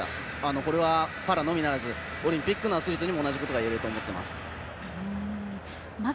これは、パラのみならずオリンピックのアスリートにも同じことが言えると思います。